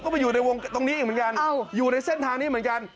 ก็ไปอยู่ในวงตรงนี้อีกเหมือนกันอยู่ในเส้นทางนี้เหมือนกัน